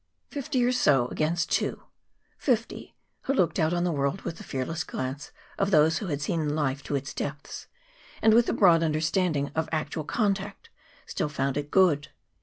Fifty or so against two fifty who looked out on the world with the fearless glance of those who have seen life to its depths, and, with the broad understanding of actual contact, still found it good.